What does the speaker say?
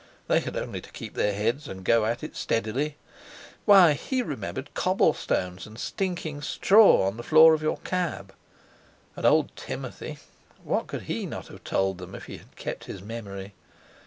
They had only to keep their heads, and go at it steadily. Why! he remembered cobblestones, and stinking straw on the floor of your cab. And old Timothy—what could he not have told them, if he had kept his memory!